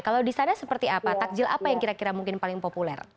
kalau di sana seperti apa takjil apa yang kira kira mungkin paling populer